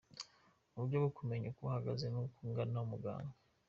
Uburyo bwo kumenya uko uhagaze ni ukugana muganga